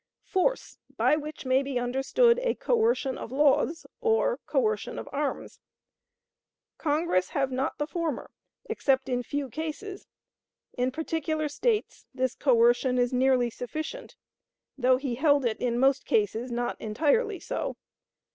Force, by which may be understood a coercion of laws, or coercion of arms. Congress have not the former, except in few cases. In particular States, this coercion is nearly sufficient; though he held it, in most cases, not entirely so.